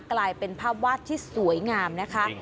กลายเป็นภาพวาดที่สวยงามนะคะ